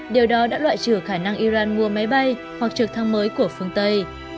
điều đó đã loại trừ khả năng iran mua máy bay hoặc trực thăng mới của phương tây